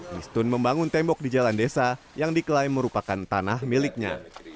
mistun membangun tembok di jalan desa yang diklaim merupakan tanah miliknya